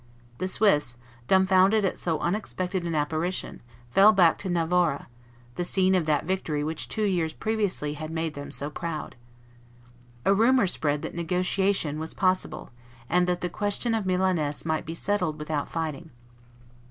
The Swiss, dumbfounded at so unexpected an apparition, fell back to Novara, the scene of that victory which two years previously had made them so proud. A rumor spread that negotiation was possible, and that the question of Milaness might be settled without fighting.